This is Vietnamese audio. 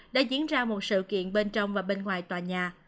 đã diễn ra một sự kiện bên trong và bên ngoài tòa nhà